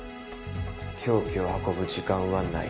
凶器を運ぶ時間はない。